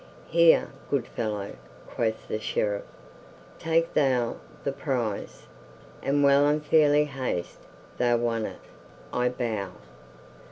"Here, good fellow," quoth the Sheriff, "take thou the prize, and well and fairly hast thou won it, I bow.